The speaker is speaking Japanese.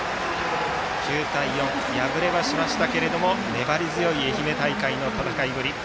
９対４、敗れはしましたが粘り強い愛媛大会の戦いぶり。